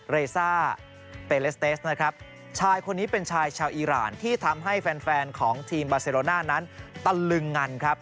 ซ่าเปเลสเตสนะครับชายคนนี้เป็นชายชาวอีรานที่ทำให้แฟนแฟนของทีมบาเซโรน่านั้นตะลึงงันครับ